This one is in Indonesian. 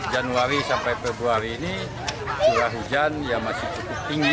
januari sampai februari ini curah hujan ya masih cukup tinggi